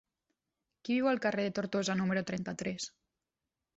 Qui viu al carrer de Tortosa número trenta-tres?